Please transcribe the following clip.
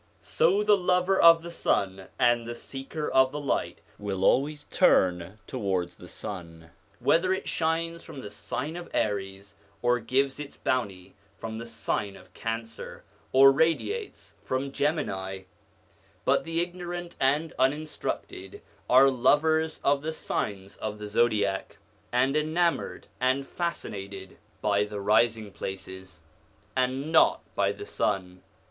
So, the lover of the sun and the seeker of the light will always turn towards the sun, whether it shines from the sign of Aries or gives its bounty from the sign of Cancer, or radiates from Gemini ; but the ignorant and uninstructed are lovers of the signs of the zodiac, and enamoured and fascinated by the rising places, and not by the sun.